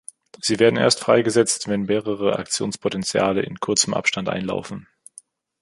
Sie werden erst freigesetzt, wenn mehrere Aktionspotentiale in kurzem Abstand einlaufen.